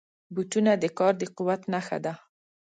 بوټونه د کار د قوت نښه ده.